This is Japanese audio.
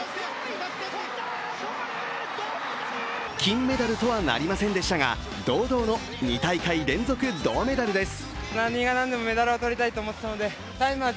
金メダルとはなりませんでしたが堂々の２大会連続銅メダルです。